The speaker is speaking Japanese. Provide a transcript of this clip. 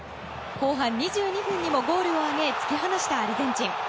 後半２２分にもゴールを挙げ突き放したアルゼンチン。